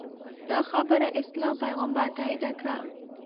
دا خبره اسلام پیغمبر تاییده کړه